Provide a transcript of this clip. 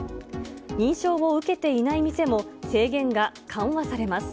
認証を受けていない店も制限が緩和されます。